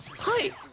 はい。